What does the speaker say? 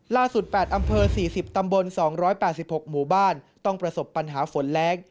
๘อำเภอ๔๐ตำบล๒๘๖หมู่บ้านต้องประสบปัญหาฝนแรง